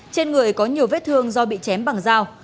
tiết thương do bị chém bằng dao